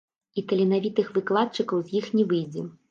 І таленавітых выкладчыкаў з іх не выйдзе.